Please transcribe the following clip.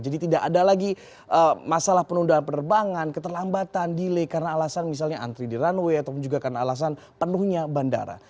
jadi tidak ada lagi masalah penundaan penerbangan keterlambatan delay karena alasan misalnya antri di runway ataupun juga karena alasan penuhnya bandara